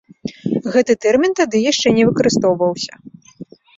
Гэты тэрмін тады яшчэ не выкарыстоўваўся.